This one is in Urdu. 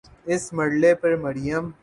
اس مرحلے پر مریم